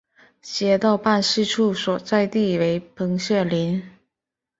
街道办事处所在地为棚下岭。